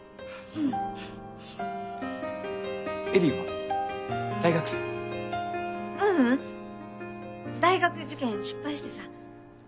ううん大学受験失敗してさ。